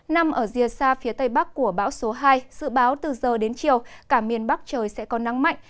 nằm ở rìa xa phía tây bắc của bão số hai dự báo từ giờ đến chiều cả miền bắc trời sẽ có nắng mạnh